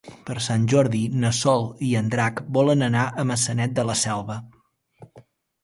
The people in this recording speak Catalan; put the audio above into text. Per Sant Jordi na Sol i en Drac volen anar a Maçanet de la Selva.